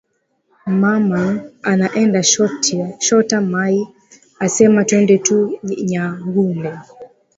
Maman anaenda shota mayi asema twende tu nyangule